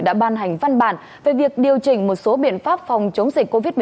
đã ban hành văn bản về việc điều chỉnh một số biện pháp phòng chống dịch covid một mươi chín